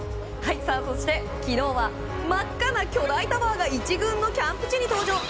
昨日は真っ赤な巨大タワーが１軍のキャンプ地に登場。